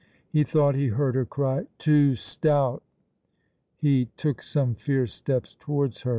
He thought he heard her cry, "Too stout!" He took some fierce steps towards her.